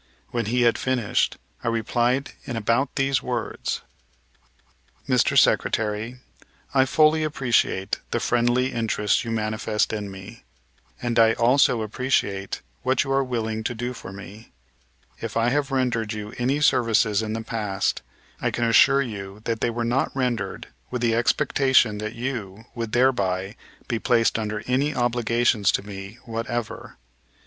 When he had finished, I replied in about these words: "Mr. Secretary, I fully appreciate the friendly interest you manifest in me, and I also appreciate what you are willing to do for me. If I have rendered you any services in the past, I can assure you that they were not rendered with the expectation that you would thereby be placed under any obligations to me whatever.